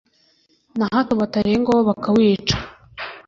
na hato batarengwaho bakawica